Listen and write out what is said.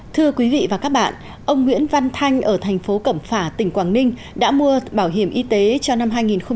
thưa quý vị và các bạn ông nguyễn văn thanh ở thành phố cẩm phả tỉnh quảng ninh đã mua bảo hiểm y tế cho năm hai nghìn một mươi chín